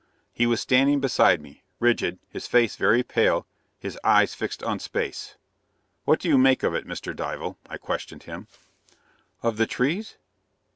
He was standing beside me, rigid, his face very pale, his eyes fixed on space. "What do you make of it, Mr. Dival?" I questioned him. "Of the trees?"